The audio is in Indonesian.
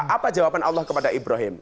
apa jawaban allah kepada ibrahim